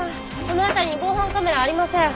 この辺りに防犯カメラはありません。